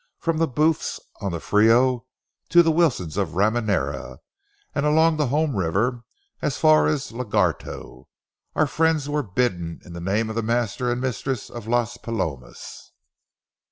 From the Booths on the Frio to the Wilsons of Ramirena, and along the home river as far as Lagarto, our friends were bidden in the name of the master and mistress of Las Palomas.